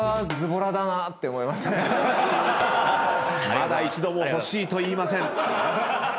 まだ一度も欲しいと言いません。